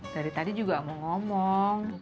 dari tadi juga mau ngomong